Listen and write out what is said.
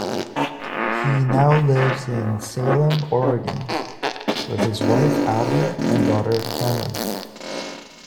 He now lives in Salem, Oregon with his wife, Abby and daughter, Cameron.